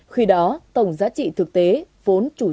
khi đó tổng giá trị thực tế vốn chủng